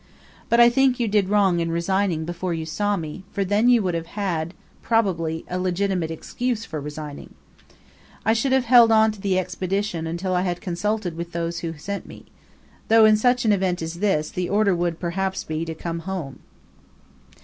But I think you did wrong in resigning before you saw me; for then you would have had, probably, a legitimate excuse for resigning. I should have held on to the Expedition until I had consulted with those who sent me; though, in such an event as this, the order would be, perhaps, to 'Come home.'"